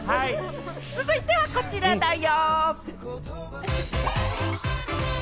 続いては、こちらだよ。